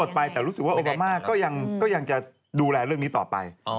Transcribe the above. ไปแต่รู้สึกว่าโอบามาก็ยังจะดูแลเรื่องนี้ต่อไป